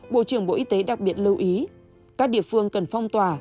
bộ trưởng bộ y tế đặc biệt lưu ý các địa phương cần phong tỏa